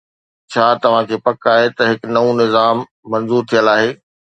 ڇا توهان کي پڪ آهي ته هي نئون نظام منظور ٿيل آهي؟